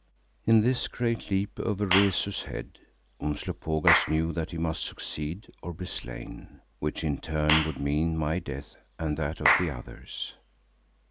In this great leap over Rezu's head Umslopogaas knew that he must succeed, or be slain, which in turn would mean my death and that of the others.